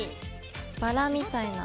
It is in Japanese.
バラみたいな。